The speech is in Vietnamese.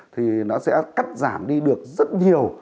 thì nó sẽ cắt giảm đi được rất nhiều